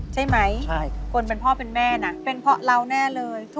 ใช่ไหมคนเป็นพ่อเป็นแม่น่ะเป็นเพราะเราแน่เลย